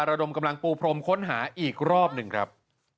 ระดมกำลังปูพรมค้นหาอีกรอบหนึ่งครับ